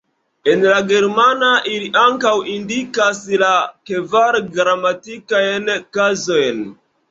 En la germana ili ankaŭ indikas la kvar gramatikajn kazojn.